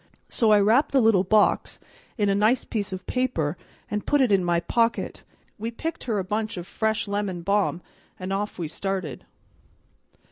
So I wrapped the little box in a nice piece of paper and put it in my pocket, and picked her a bunch of fresh lemon balm, and off we started."